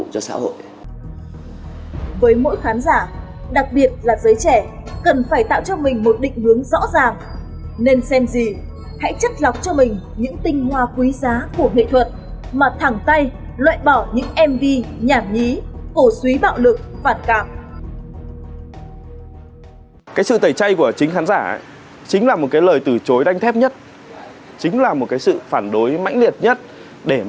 cho sự định hướng thẩm mỹ cho giới trẻ